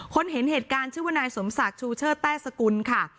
เห็นเหตุการณ์ชื่อว่านายสมศักดิ์ชูเชิดแต้สกุลค่ะ